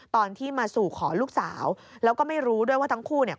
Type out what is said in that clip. ตอนที่มาสู่ขอลูกสาวแล้วก็ไม่รู้ด้วยว่าทั้งคู่เนี่ย